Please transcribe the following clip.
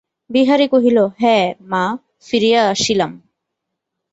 বিহারী কহিল, হাঁ, মা, ফিরিয়া আসিলাম।